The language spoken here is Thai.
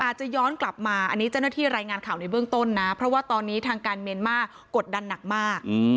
อาจจะย้อนกลับมาอันนี้เจ้าหน้าที่รายงานข่าวในเบื้องต้นนะเพราะว่าตอนนี้ทางการเมียนมากดดันหนักมาก